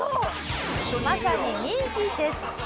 まさに人気絶頂！